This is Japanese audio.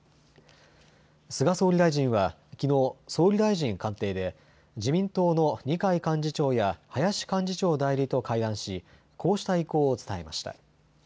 菅総理大臣はきのう、総理大臣官邸で自民党の二階幹事長や林幹事長代理と会談しこうした意向を伝えました。